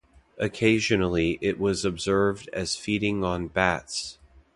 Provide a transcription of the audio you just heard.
Occasionally, it was observed as feeding on bats.